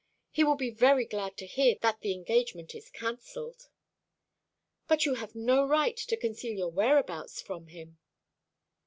He will be very glad to hear that the engagement is cancelled." "But you have no right to conceal your whereabouts from him."